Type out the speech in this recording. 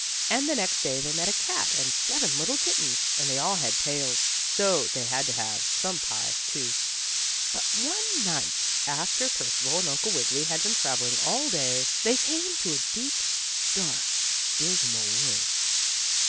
And the next day they met a cat and seven little kittens, and they all had tails, so they had to have some pie, too. But one night, after Percival and Uncle Wiggily had been traveling all day, they came to a deep, dark, dismal woods.